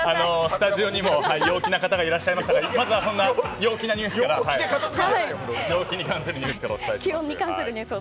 スタジオにも陽気な方がいらっしゃいましたがまずは陽気なニュースからお伝えします。